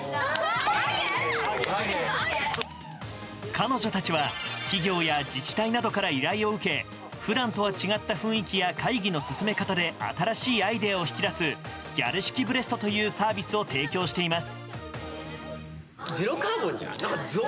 彼女たちは企業や自治体などから依頼を受け普段とは違った雰囲気や会議の進め方で新しいアイデアを引き出すギャル式ブレストというサービスを提供しています。